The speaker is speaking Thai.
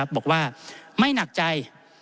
บอกว่าไม่หนักใจ